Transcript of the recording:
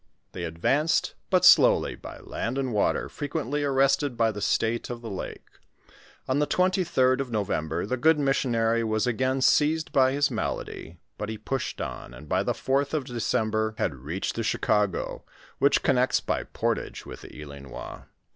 They ad vanced but slowly by land and water, frequently arrested by the state of the lake. On the 23d of November, the good missionary was again seized by his malady, but he pushed on, and by the 4th of December, had reached the Chicago, which connects by portage with the Ilinois.